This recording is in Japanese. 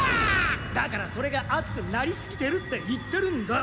だからそれがあつくなりすぎてるって言ってるんだ。